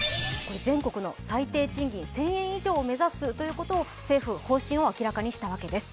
全国の最低賃金１０００円以上を目指すということを政府が方針を明らかにしたわけです。